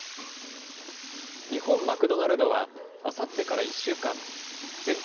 日本マクドナルドはあさってから１週間、全国